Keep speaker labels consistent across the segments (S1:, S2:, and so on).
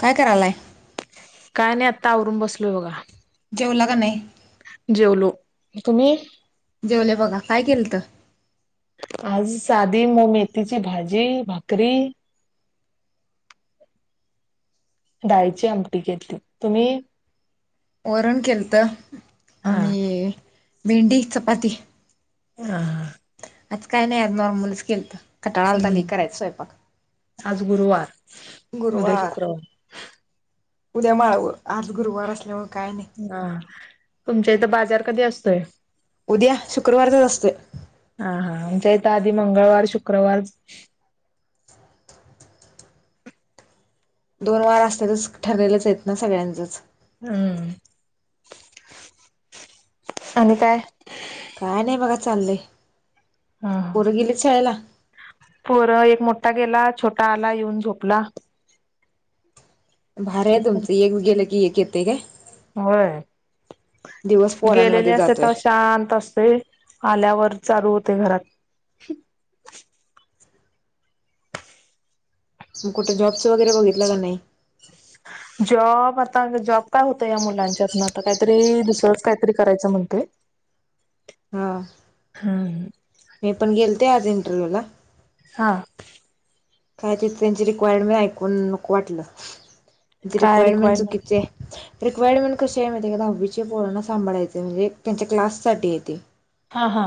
S1: काय करायलाय
S2: काय नाही आत्ता आवरून बसलोय बघा
S1: जेवला का नाही
S2: जेवलो तुम्ही
S1: जेवले बघा काय केल तर
S2: आज साधी मो मेथीची भाजी भाकरी डाळीची आमटी घेतली तुम्ही
S1: वओरण केलत
S2: हा
S1: आणि भेंडी चपाती
S2: हा हा
S1: आज काय नाही आ नॉर्मलच केल तर कटाळा आल तली
S2: हम्म
S1: करायचं स्वयंपाक
S2: आज गुरुवार उद्या
S1: गुरुवार
S2: शुक्रवार
S1: उद्या माळ आज गुरुवार असल्यामुळे काय नाही.
S2: हा तुमच्या इथं बाजार कधी असतोय
S1: उद्या शुक्रवारचच असत
S2: ता आधी मंगळवार शुक्रवार
S1: दोन वार असल्या तरच ठरलेलंच येत ना सगळ्यांचच
S2: हम् आणि काय
S1: काय नाही बघा चाललंय
S2: हम्
S1: पोरं गेलीत शाळेला?
S2: पर एक मोठा गेला छोटा आला येऊन झोपला
S1: भार आहे तुमचं एक गेलं की एक येते काय
S2: हा
S1: दिवस
S2: गेलेले
S1: पोरांमध्ये
S2: असत्यात
S1: जातोय.
S2: तवा शांत असतंय, आल्यावर चालू होतय घरात
S1: कुठे जॉब्सचं वगैरे बघितलं का नाही?
S2: जॉब आता जॉब काय होतय, या मुलांच्यातन, आता काहीतरी दुसरंच काहीतरी करायचं म्हणतय. [unintelligible]
S1: हा
S2: हां
S1: [unintelligible] ना
S2: हा
S1: काय ते त्यांची रिक्वायरमेंट ऐकून नको वाटलं. जी
S2: काय
S1: रिकवायरमेंट
S2: रिक्वायरमेंट
S1: चुकीची आहे. रिक्वायरमेंट कशी आहे, माहिती आहे का, दहावीची पोरांना सांभाळायचय, म्हणजे त्यांच्या क्लाससाठी हाय ते.
S2: हा, हा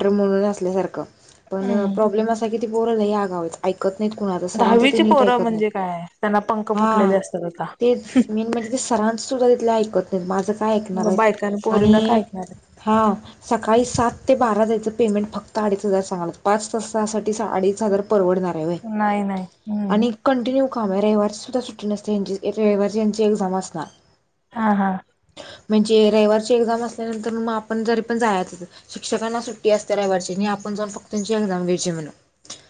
S1: [unintelligible] असल्यासारखं, पण
S2: हम्म.
S1: प्रॉब्लेम असा हाय की ती पोरं लय आगाव आहेत ऐक नीट होणार हाय, सरांच ते
S2: दहावीची
S1: नीट
S2: पोरं
S1: ऐकत नाही,
S2: म्हणजे काय त्यांना पंख
S1: हा
S2: फुटलेले असतात आता.
S1: तेच, मेन म्हणजे ते सरा अन सुरळीत कुठलं ऐकत नाही, माझं काय ऐकणार
S2: मग
S1: आहे
S2: बायकां पोरीना काय
S1: आणि
S2: ऐकणार.
S1: हा, सकाळी सात ते बारा जायचं, पेमेंट फक्त अडीच हजार सांगायलत, पाच, सा, तासासाठी अडीच हजार परवडणार? आहे व्हय.
S2: नाय, नाय, हम्म
S1: आणि कंटिन्यू काम आहे, रविवारीची सुद्धा सुट्टी नसते, रविवारी यांची एक्झाम असणार.
S2: हा, हा
S1: म्हणजे रविवारची एक्झाम असल्यानंतरन आपण जरी पण जायच शिक्षकांना सुट्टी असते रविवारची आपण जाऊ फक्त त्यांची एक्झाम घ्यायची म्हणं,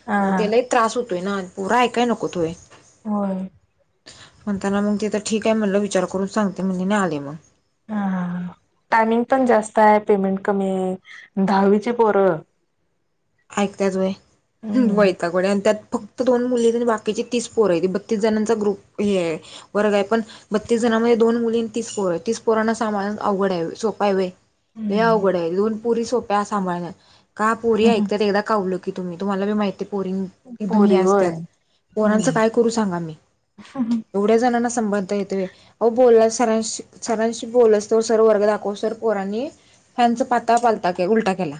S2: हा
S1: मग
S2: हा
S1: ते लय त्रास होतोय ना, पोरं ऐकाय नकोत वोय.
S2: व्हय
S1: म्हणताना मग तिथ ठीक आहे म्हणलं, विचार करून सांगते, म्हलीने आले मग.
S2: हा, हा, हा टायमिंग पण जास्त आहे, पेमेंट कमी आहे, दहावीची पोरं
S1: ऐकत्यात वय,
S2: हम्म
S1: वैतागवाडी आणत्यात फक्त दोन मुलीआहेत, बाकीचे तीस पोरं हायती, बत्तीस जणांचा ग्रुप हे आहे वर्ग आहे पण बत्तीस जण दोन मुलीं, तीस पोरं, तीस पोरांना संभालाय अवघड हाय सोप हाय वय? लय
S2: हम्म
S1: अवघड आहे, दोन पुरी सोप्या सांभाळणार का पुरी ऐक कावलं की तुम्ही तुम्हाला बी माहितेय पोरी एकदम ही
S2: पोरी होय
S1: असत्यात, पोरांच काय
S2: हम्म.
S1: करू सांगा मी? एवढ्या जनांना संबंध येतोय, अहो बोलला सरांशी सरांशी बोलसतवर, सर्व वर्ग दाखवस्तर पोरांनी फॅनचा पाता पालता उलटा केला.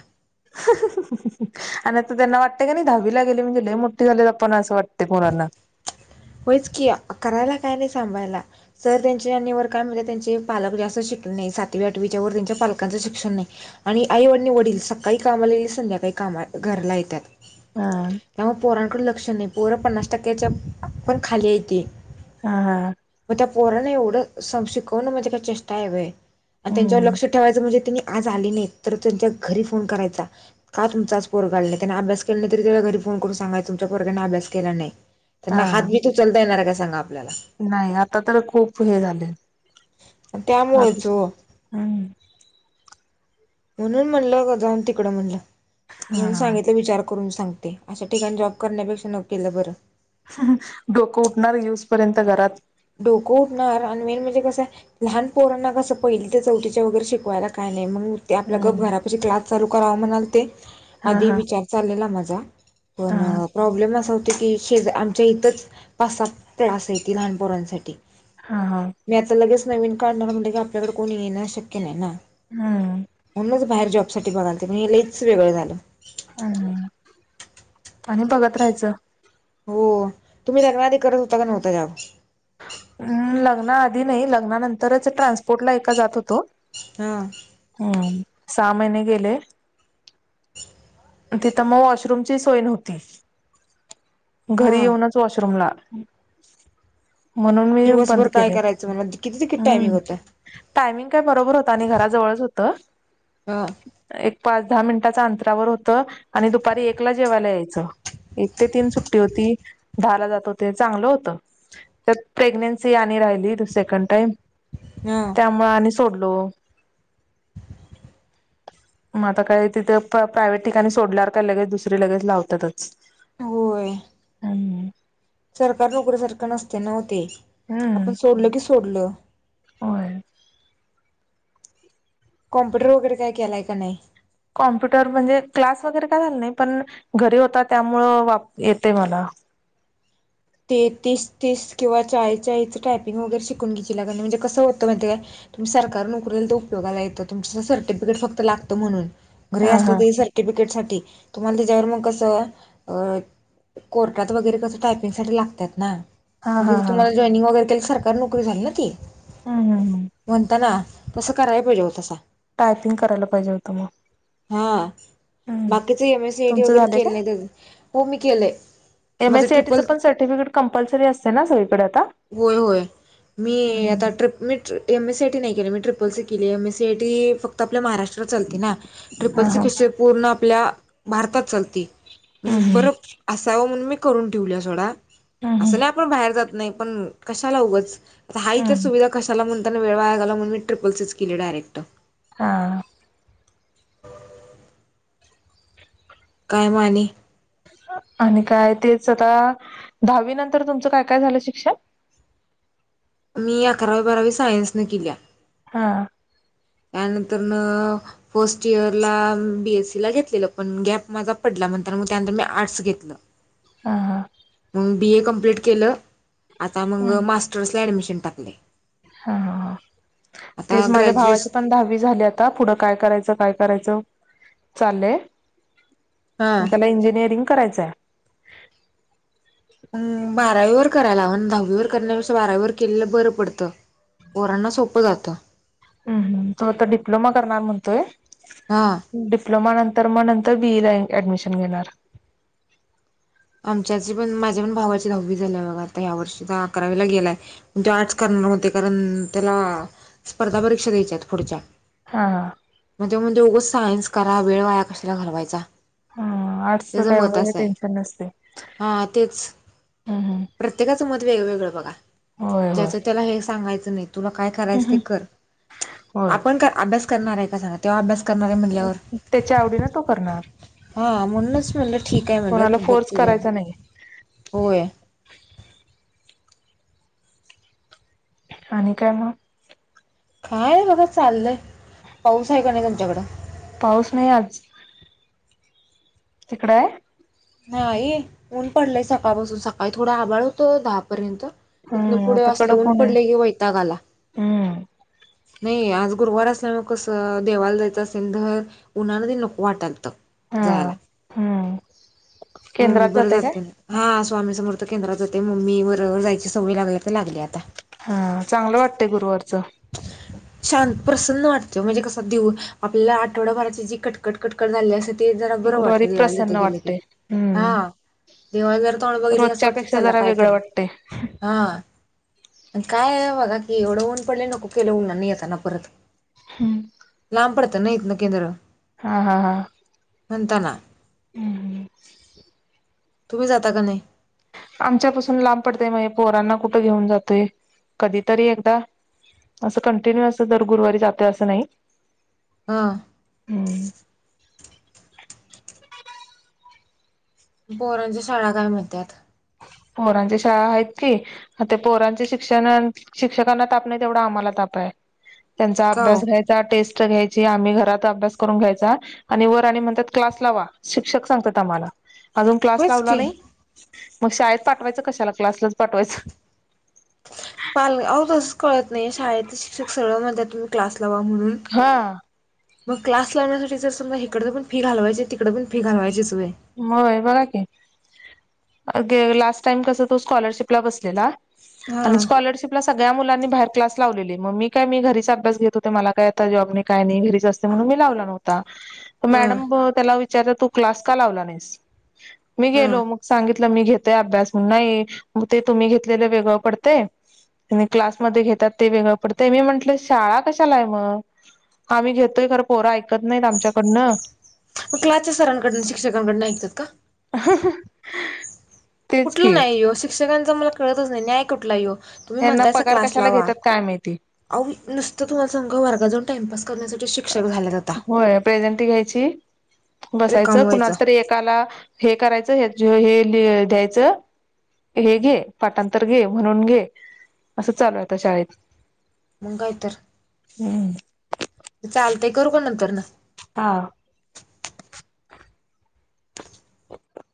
S2: आणि आता त्यांना वाटतेय का नाही दहावी ला गेली म्हणजे लय मोठं झालोय आपण असं वाटतय पोरांना. ह [unintelligible]
S1: होयच की, करायला काय नाही सांभायला, सर त्यांचे आणि वर काय म्हने त्यांचे पालक जास्त शिक नाही सातवी आठवीच्या व त्यांच्या पालकचं शिक्षण नाही आणि आई आणि वडील सकाळी कामाला गेले संध्याकाळी कामात घरला येत्यात
S2: हा.
S1: त्यामुळे पोरांकड लक्ष नाही पोरं पन्नास टक्क्याच्या पण खाली हायती.
S2: हा हा
S1: म त्या पोराणं एवढं शिकवणं म्हणजे काय चेष्टा हाय वय? अन त्यांच्यावर
S2: हम्म
S1: लक्ष ठेवायचं म्हणजे त्यांनी आज आली नाही तर त्यांच्या घरी फोन करायचा, का तुमचा आज पोरगं आलं नाही, त्यांन अभ्यास केला नाही तरी त्याच्या घरी फोन करून सांगायच तुमच्या पोरग्यानं अभ्यास केला नाही त्यांना
S2: हा
S1: हातबित उचलता येणार हाय का सांगा? आपल्याला
S2: नाही आता तर खूप हे झालय हात,
S1: त्यामुळेच हो
S2: हम्म
S1: म्हणून म्हणलं जाऊन तिकडं म्हणलं, म्हणून
S2: हा
S1: सांगितलं विचार करून सांगते, अशा ठिकाणी जॉब करण्यापेक्षा न केलंल बरं.
S2: डोकं उठणार यिवूसपर्यंत घरात
S1: डोकं उठणार आणि मेन म्हणजे कसं लहान पोरांना कसं पहिल ते चौथीच्या वगैरे शिकवायला काय नाही मग ते आपल्या गप्प
S2: हम्म.
S1: घरापशी क्लास चालू करावा म्हणालते
S2: हा
S1: आधी
S2: हा
S1: विचार चाललेला माझा
S2: हा
S1: पण प्रॉब्लेम असा होत की शेजार आमच्या इथंच पाच सात क्लास आहेत लहान पोरांसाठी
S2: हा हा
S1: मी आता लगेच नवीन काढणार म्हटलं की आपल्याकडे कोणी येणं शक्य नाही ना
S2: हम्म
S1: म्हणूनच बाहेर जॉब साठी बगालते मी हे लईच वेगळं झालं
S2: हम्म आणि बघत राहायचं
S1: हो तुम्ही धनवादी करत होता का नव्हता
S2: ् लग्ना आधी नाही लग्नानंतरच ट्रान्सपोर्टला एका जात होतो
S1: हा
S2: सामहिने गेले तिथं मग वॉशरूमची सोय नव्हती
S1: हा
S2: घरी येऊनच वॉशरूमला म्हणून मी बंद
S1: दिवसभर काय
S2: केले
S1: करायचं मला किती ते किती टायमिंग
S2: हम्म
S1: होतं
S2: टायमिंग काय बरोबर होत आणि घराजवळच होत
S1: हा
S2: पाच दहा मिनिटाच अंतरावर होतं आणि दुपारी एकला जेवायला यायचं एक ते तीन सुट्टी होती दहाला जात होते चांगलं होत त्यात प्रेग्नेन्सी आणि राहिली सेकंड टाईम
S1: हा
S2: त्यामुळे आणि सोडलो मग आता काय तिथे प्रायव्हेट ठिकाणी सोडल्यावर काय लगेच दुसरी लगेच लावत्यातच
S1: होय सरकारी नोकरीसारखं नसते नवते
S2: हम्म
S1: आपण सोडल की सोडलं
S2: होय
S1: कॉम्प्युटर वगैरे काय केलाय का नाही
S2: कॉम्प्युटर म्हणजे क्लास वगैरे काय झालं नाही पण घरी होता त्यामुळे येतय मला
S1: ते तीस तीस किंवा चाळीस चाळीसच टायपिंग वगैरे शिकून घेशीला काय नाही म्हणजे कसं होतं म्हाहीतेय काय तुम्ही सरकारी नोकरीला तर उयोगाला येतं तुमच सर्टिफिकेट फक्त लागतं म्हणून घरी
S2: हा हा
S1: असलं तरी सर्टिफिकेट्स तुम्हाला त्याच्यावर मग कस अ कोर्टात वगैरे कस टाय साठी लागत्यात ना
S2: हा
S1: मग
S2: हा
S1: तिथ
S2: हा
S1: तुम्हाला जॉयनिंग वगैरे केल सरकारी नोकरी झाली ना ती
S2: हम् हम
S1: म्हणता ना तसं कराय पाहिजे होतासा
S2: टायपिंग करायला पाहिजे होतं मग
S1: हा
S2: हम्म.
S1: बाकीच एम एस सी आयटी
S2: तुमचं
S1: वगैरे
S2: झालंय
S1: केलं नाही त्याज हो मी केलंय माझं
S2: एमएससीआयटीचं
S1: ट्रिपल
S2: पण सर्टिफिकेट कंपल्सरी असते ना सगळीकडे आता
S1: होय होय. मी आता
S2: हम्म.
S1: ट्रिप मी एमएस सीआय टी नाही केली मी ट्रिपल सी केली आहे M S C I T फक्त आपल्या महाराष्ट्रात चालते ना
S2: हा
S1: ट्रिपल सी
S2: हा
S1: कशी पूर्ण आपल्या भारतात चालते
S2: हम्म
S1: बर असावं म्हणून मी करून ठेवल्या सोडा
S2: हम्म
S1: असं नाही आपण बाहेर जात नाही पण कशाला उगंच आता हाय तर
S2: हम्म
S1: सुविधा कशाला म्ह वेळ वाया घालवा म्हणून मी ट्रिपलसीच केली डायरेक्ट
S2: हा
S1: [inaudible] काय माणे
S2: आणि काय तेच आता दहावी नंतर तुमचं काय काय झालं शिक्षण [inaudible]
S1: मी अकरावी बारावी सायन्स न किल्या
S2: हा
S1: त्यानंतर फर्स्ट इयर ला बीएससी ला घेतलेलं पण गॅप माझा पडला नंंतर मग त्यानंतर मग त्यानंतर मी आर्टस घेतल
S2: हां हा
S1: बी ए कंप्लीट केलं आता मग मास्टर्सला ऍडमिशन टाकले
S2: हा हा हा
S1: आता
S2: तेच माझ्या
S1: ग्रॅज्युएश
S2: भावाची पण दहावी झाली आता पुढं काय करायचं काय करायच. चालय
S1: हा
S2: त्याला इंजिनियरिंग करायचंय.
S1: बारावी वर करायला हवं दहावीवर करण्यापे बारावीवर केलेलं बरं पडतं. पोरांना सोपं जातं.
S2: ह् हम्म तो आता डिप्लोमा करणार म्हणतोय.
S1: हा
S2: डिप्लोमा नंतर मग नंतर बीई ला ऍडमिशन मिळणार.
S1: आ पण माझ्या पण भावाची दहावी झा ब आता ह्या वर्षी अकरावीला गेलाय ते आर्ट करणार होते. कारण त्याला स्पर्धा परीक्षा द्यायच्या आहेत पुढच्या.
S2: हा हा
S1: मग ते म्हणगंच सायन्स करा वेळ वाया कशाला घालवायचा.
S2: ह आर्ट्सच
S1: त्याचं
S2: का
S1: मत
S2: एवढं
S1: असं आहे
S2: टेन्शन नसते.
S1: हा तेच.
S2: हम्म हम्म
S1: प्रत्येकाचं मत वेगवेगळं बघा
S2: होय होय.
S1: ज्याच त्याला हे सांगायचं नाही तुला काय
S2: हम्म
S1: करायच ते
S2: हम्म.
S1: कर
S2: होय
S1: आपण का अभ्यास करणार हाय का सांगा तो अभ्या करणार म्हणल्यावर
S2: त्याच्या आवडीनं तो करणार.
S1: हा म्हणून म्हणलं ठीक आहे मम्हणलं
S2: कोणाला
S1: तू बघ
S2: फोर्स
S1: काय
S2: करायचा नाही
S1: होय.
S2: आणि काय मग.
S1: काय बघ चाललंय पाऊस आहे का नाही तुमच्याकडं.
S2: पाऊस नाही आज. तिकडे हाय.
S1: नाही ऊन पडलंय सकाळपासून सकाळी थोडा आबााळ होत दहापर्यंत. तितन
S2: हम्म
S1: पुढे
S2: आता
S1: असलं
S2: कडक
S1: ऊन
S2: आहे.
S1: पडलय की वैता गाला.
S2: हम्म
S1: नाही आज गुरुवार असल त्यामुलं कसं देवाला जायचं असेल तर उन्हाला नको वाटालत.
S2: हा हम्म.
S1: ममी
S2: केंद्रात
S1: बर
S2: जातय काय?
S1: जाते. हा स्वामी समर्थ केंद्रात जाते मम्मी बरोबर जायची सवय लागल्या तर लागली आता.
S2: हा चांगलं वाटतय गुरुवारचं.
S1: शांत प्रसन्न वाटते म्हणजे कस देऊ आपल्याला आठवडाभराची जी कटकट कटकट झाली असे ते जरा बरं
S2: गुरुवारी
S1: वाटतं देवाला तीत
S2: प्रसन्न
S1: गेलं की
S2: वाटते. हम्म
S1: हा, दिवस बर तोंड बघितली असं
S2: रोजच्या
S1: वाटत
S2: पेक्षा
S1: चालला
S2: जरा
S1: कायतर.
S2: वेगळं वाटते.
S1: हा. काय आहे बघा की एवढं ऊन पडले नको केले उन्हाणी येताना परत.
S2: हम्म.
S1: लांब पडत नाही इतन केंद्र.
S2: हा हा हा.
S1: म्हणताना.
S2: हम्म हम.
S1: तुम्ही जाता का नाही.
S2: आमच्यापासून लांब पडतय म्हणे पोहरांना कुठं घेऊन जातोय. कधीतरी एकदा असं कंटिन्यू अस दर गुरुवारी जातोय असं नाही.
S1: हं.
S2: हम्म.
S1: पोरांच्या शाळा काय म्हणत्यात.
S2: पोरांच्या शाळा आहेत की, आता पोरांच्या शिक्षण शिक्षकांना ताप नाही तेवढा आम्हाला ताप हाय. त्यांचा
S1: का हो
S2: अभ्यास घ्यायचा टेस्ट, घ्यायची आम्ही घरात अभ्यास करून घ्यायचा आणि वर आणि म्हणतात क्लास लावा शिक्षक सांगतात आम्हा. अजून क्लास
S1: होयच
S2: लावला
S1: की
S2: नाही मग शाळेत पाठवायचं कशाला क्लासलाच पाठवायचं.
S1: पाल तसच कळत नाही शाळ शिक्षक सगळ म्हण तुम्ही क्लास लावा म्हणून.
S2: हा
S1: मग क्लास लावण्यासाठी तर समजा हिकडं पण फी घालयची तिकडे पण फी घालवायचीच. व्हय
S2: म ए बगा की. अ लास्ट टाईम कस तो स्कॉलरशिपला बसलेला. आणि
S1: हां
S2: स्कॉलरशिप सगळ्या मुलां नी, बाहेर क्लास लावले मग मी काय घरीच अभ्यास घेत होते मला काय आता जॉब नाय काय नाही घरीच
S1: हां
S2: [unintelligible] मी
S1: हां
S2: गेलो मग सांगितलंऽऽ मी घेते अभ्यास म्हणू ऽऽ तूमी क्लासमध्ये घेतात ते वेगळं पडतय,, मी म्हंटलं शाळा कशालाय मग. आम्ही घेतोय खरं पोरं ऐकत नाहीत आमच्याकडनंऽऽ
S1: मग क्लासचे सरांकडन, शिक्षकांकडनं ऐकतात का?
S2: [unintelligible]
S1: कुठलं
S2: की
S1: न्याय यो,, ये शिक्षकांच मला कळतच नाही. न्याय कुठला यो. तुम्ही
S2: यांना
S1: म्हणतायसा
S2: पगार
S1: क्लास
S2: कशाला
S1: लावा,,
S2: घेतात काय माहिती
S1: अव नुसत तुम्हाला सांगू काय वर्गात जाऊन टाइमपासऽऽ
S2: होय,, प्रेझेंट घ्यायची. बसायचं,,
S1: रिकामं व्हायचं
S2: कुणाला तरी एकाला हे करायचं हे लि द्यायचं. हे, घे, पाटांतर घे, म्हणून घे, असं चालू आहेता शाळेत
S1: मंग काय तर.
S2: हम्.
S1: चालतय करू का नंतर नं.
S2: हा.